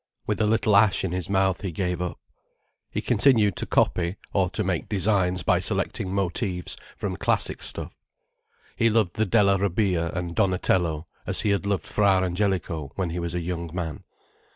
With a little ash in his mouth he gave up. He continued to copy, or to make designs by selecting motives from classic stuff. He loved the Della Robbia and Donatello as he had loved Fra Angelico when he was a young man.